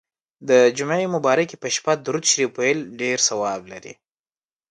د جمعې مبارڪي په شپه درود شریف ویل ډیر ثواب لري.